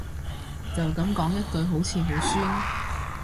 就噉講一句好似好酸